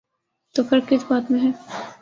تو فرق کس بات میں ہے؟